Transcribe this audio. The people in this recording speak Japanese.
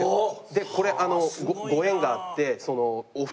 でこれご縁があって。